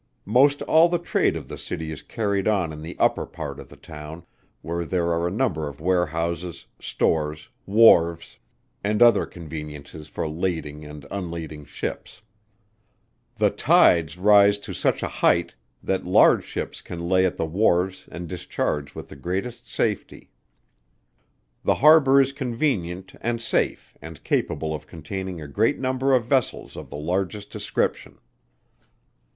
Most all the trade of the city is carried on in the upper part of the town, where there are a number of warehouses, stores, wharves, and other conveniences for lading and unlading ships. The tides rise to such a height that large ships can lay at the wharves and discharge with the greatest safety. The harbour is convenient and safe, and capable of containing a great number of vessels of the largest description.